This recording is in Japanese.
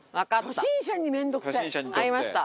初心者に面倒くさい？ありました！